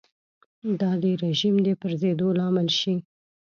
دا د رژیم د پرځېدو لامل شي.